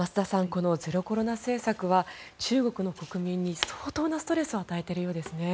このゼロコロナ政策は中国の国民に相当なストレスを与えているようですね。